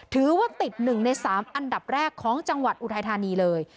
ถือว่าติด๑ใน๓อันดับแรกของจังหวัดอุทัยธานีเลย